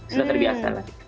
sudah terbiasa lah